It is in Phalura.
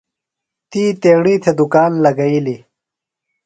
تی تیݨی تھےۡ دُکان لگئیلیۡ۔